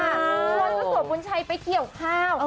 ส่วนส่วนส่วนบุญชัยไปเกี่ยวข้าว